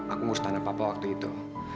aku ngurus tanah papa waktu itu